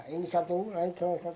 ini satu ini satu